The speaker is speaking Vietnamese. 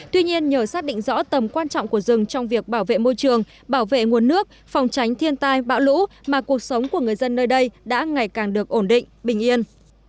tuy nhiên nhờ xác định rõ tầm quan trọng của rừng trong việc bảo vệ môi trường bảo vệ nguồn nước phòng tránh thiên tai bão lũ mà cuộc sống của người dân nơi đây đã ngày càng được ổn định bình yên